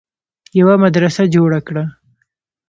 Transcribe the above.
يوه مدرسه جوړه کړه